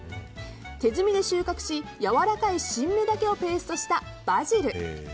手摘みで収穫しやわらかい新芽だけをペーストしたバジル。